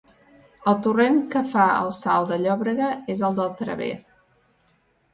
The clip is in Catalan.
El torrent que fa el Salt de Llòbrega és el del Traver.